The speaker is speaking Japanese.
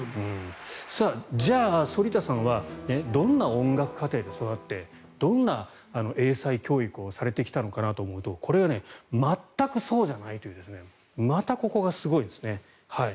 じゃあ、反田さんはどんな音楽家庭で育ってどんな英才教育をされてきたのかなと思うとこれが全くそうじゃないというまたここがすごいんですね。